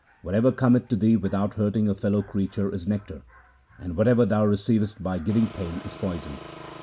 Whatever cometh to thee without hurting a fellow creature is nectar, and whatever thou receivest by giving pain is poison.